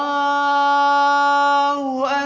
allahu akbar allah